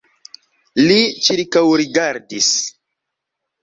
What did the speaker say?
Li ĉirkaŭrigardis.